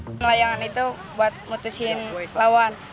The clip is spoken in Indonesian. benang layangan itu buat memutuskan lawan